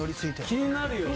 気になるよ。